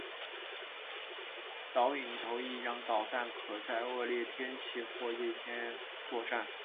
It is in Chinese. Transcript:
导引头亦让导弹可在恶劣天气或夜间作战。